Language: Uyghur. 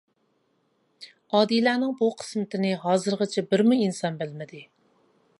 ئادىلەنىڭ بۇ قىسمىتىنى ھازىرغىچە بىرمۇ ئىنسان بىلمىدى.